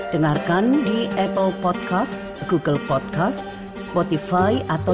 dengan rangkumannya tentang voice referendum itu